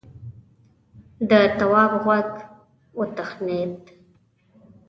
د تواب غوږ وتخڼيد: